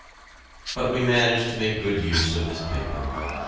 But we managed to make good use of this paper.